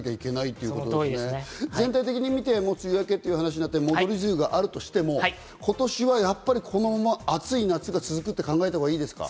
全体的にみて梅雨明けっていう話なって、戻り梅雨があるとしても今年はやっぱりこのまま暑い夏が続くと考えたほうがいいですか？